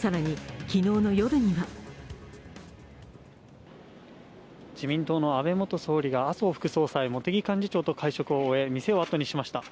更に、昨日の夜には自民党の安倍元総理が麻生副総裁、茂木幹事長と会食を終え店を後にしました。